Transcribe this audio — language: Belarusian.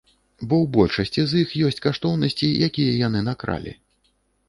Бо ў большасці з іх ёсць каштоўнасці, якія яны накралі.